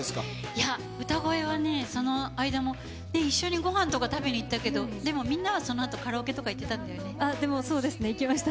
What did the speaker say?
いや、歌声はね、その間も一緒にごはんとか食べに行ったけど、でもみんなはそのあでもそうですね、行きました。